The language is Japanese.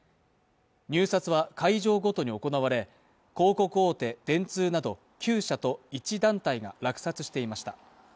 入札は会場ごとに行われ広告大手電通など９社と１団体が落札していました